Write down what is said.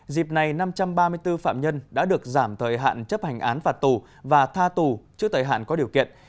dịp này năm trăm ba mươi bốn phạm nhân đã được giảm thời hạn chấp hành án phạt tù và tha tù trước thời hạn có điều kiện